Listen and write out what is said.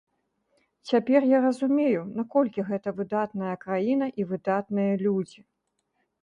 Цяпер я разумею, наколькі гэта выдатная краіна і выдатныя людзі.